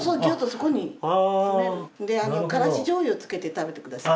からしじょうゆをつけて食べて下さい。